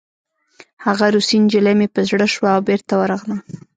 هغه روسۍ نجلۍ مې په زړه شوه او بېرته ورغلم